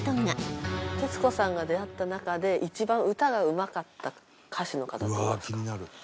徹子さんが出会った中で一番歌がうまかった歌手の方っていますか？